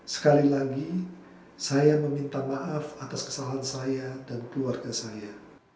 sekali lagi saya meminta maaf atas kesalahan saya dan keluarga saya